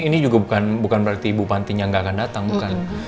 ini juga bukan berarti ibu pantinya nggak akan datang bukan